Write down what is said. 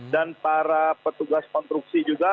dan para petugas konstruksi juga